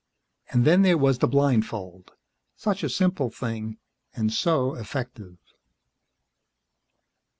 And then there was the blindfold. Such a simple thing, and so effective.